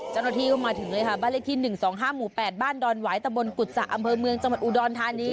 เจ้าหน้าที่ก็มาถึงเลยค่ะบ้านเลขที่๑๒๕หมู่๘บ้านดอนหวายตะบนกุศะอำเภอเมืองจังหวัดอุดรธานี